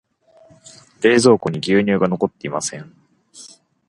冷蔵庫に牛乳が残っていません。